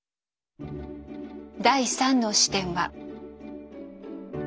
第３の視点は。